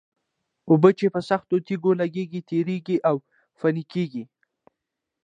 اوبه چې په سختو تېږو لګېږي تېرېږي او فنا کېږي.